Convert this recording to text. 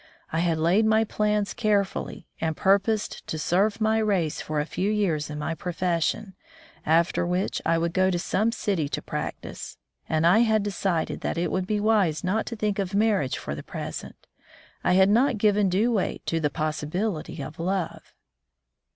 I had laid my plans carefully, and purposed to serve my race for a few years in my profession, after which I would go to some city to practice, and I had de cided that it would be wise not to think of 86 A Doctor among the Indians marriage for the present. I had not given due weight to the possibility of love.